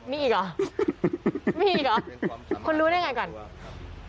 มีอีกหรอมีอีกหรอคนรู้ได้ยังไงก่อน